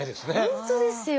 本当ですよ！